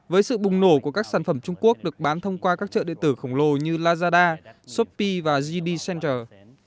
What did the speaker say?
với sự bùng nổ của các sản phẩm trung quốc được bán thông qua các chợ điện tử khổng lồ như lazada shopee và gd center